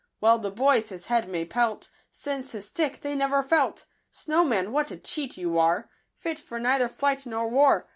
Well the boys his head may pelt, Since his stick they never felt.' Snowman, what a cheat you are ; Fit for neither flight nor war